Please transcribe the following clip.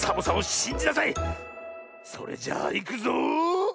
それじゃあいくぞ。